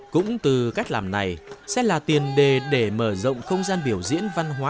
cũng từ cách làm này sẽ là tiền đề để mở rộng không gian biểu diễn văn hóa